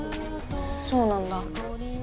そうなんだ。